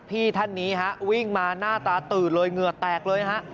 พี่ท่านนี้ฮะวิ่งมาหน้าตาตื่นเลยเหงื่อแตกเลยฮะ